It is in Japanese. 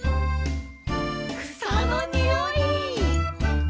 「草のにおい」